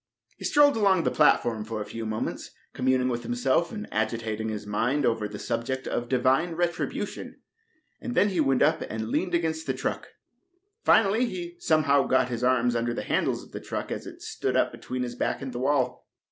He strolled along the platform a few moments, communing with himself and agitating his mind over the subject of Divine Retribution, and then he went up and leaned against the truck. Finally, he somehow got his arms under the handles of the truck as it stood up between his back and the wall.